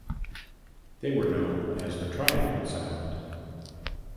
They were known as the "Triangle Sound".